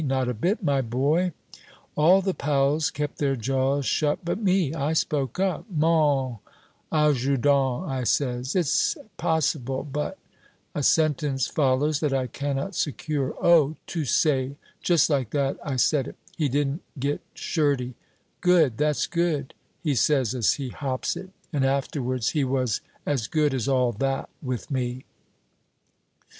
Not a bit, my boy. All the pals kept their jaws shut but me; I spoke up, 'Mon adjudant,' I says, 'it's possible, but '" A sentence follows that I cannot secure "Oh, tu sais, just like that, I said it. He didn't get shirty; 'Good, that's good,' he says as he hops it, and afterwards he was as good as all that, with me."